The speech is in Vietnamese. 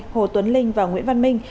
hồ tuấn linh và nguyễn văn minh